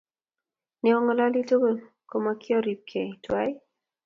Neongololi tugul komakiobirkei tuwai?